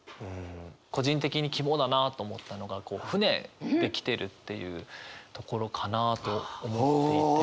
個人的に肝だなと思ったのが船で来てるっていうところかなと思っていて。